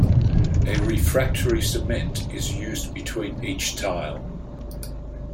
A refractory cement is used between each tile.